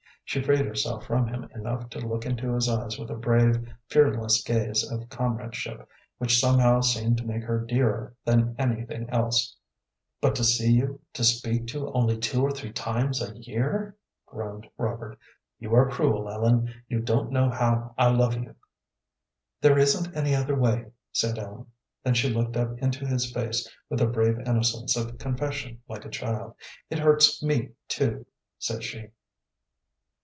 She freed herself from him enough to look into his eyes with a brave, fearless gaze of comradeship, which somehow seemed to make her dearer than anything else. "But to see you to speak to only two or three times a year!" groaned Robert. "You are cruel, Ellen. You don't know how I love you." "There isn't any other way," said Ellen. Then she looked up into his face with a brave innocence of confession like a child. "It hurts me, too," said she.